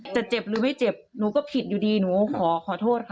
เจ็บหรือไม่เจ็บหนูก็ผิดอยู่ดีหนูขอขอโทษค่ะ